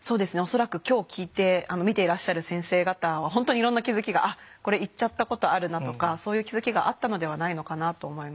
恐らく今日聞いて見ていらっしゃる先生方は本当にいろんな気付きが「あっこれ言っちゃったことあるな」とかそういう気付きがあったのではないのかなと思います。